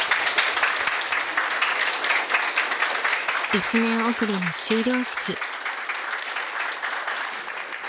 ［１年遅れの修了式］